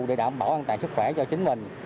để đảm bảo an toàn sức khỏe cho chính mình